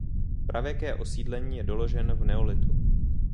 Pravěké osídlení je doloženo v neolitu.